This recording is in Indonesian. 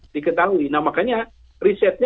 diketahui nah makanya risetnya